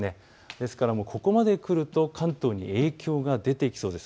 ですからここまでくると関東に影響が出てきそうです。